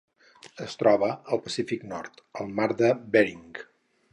Es troba al Pacífic nord: el Mar de Bering.